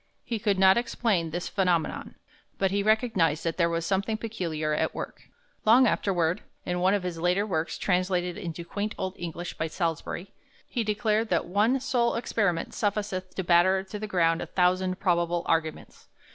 He could not explain this phenomenon, but he recognized that there was something peculiar at work. Long afterward, in one of his later works, translated into quaint old English by Salusbury, he declared that "one sole experiment sufficeth to batter to the ground a thousand probable Arguments."